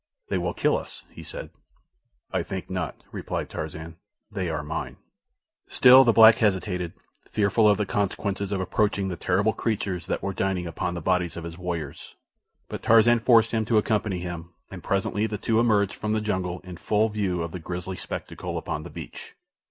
"They will kill us," he said. "I think not," replied Tarzan. "They are mine." Still the black hesitated, fearful of the consequences of approaching the terrible creatures that were dining upon the bodies of his warriors; but Tarzan forced him to accompany him, and presently the two emerged from the jungle in full view of the grisly spectacle upon the beach.